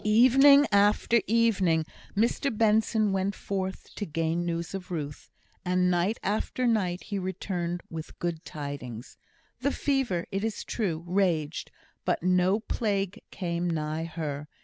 Evening after evening Mr Benson went forth to gain news of Ruth; and night after night he returned with good tidings. The fever, it is true, raged; but no plague came nigh her.